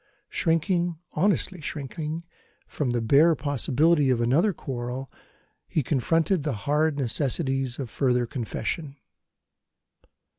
Shrinking, honestly shrinking, from the bare possibility of another quarrel, he confronted the hard necessities of further confession.